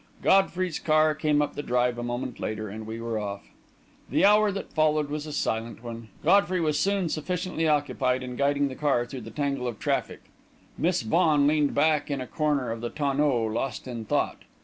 Godfrey's car came up the drive a moment later, and we were off. The hour that followed was a silent one. Godfrey was soon sufficiently occupied in guiding the car through the tangle of traffic. Miss Vaughan leaned back in a corner of the tonneau lost in thought.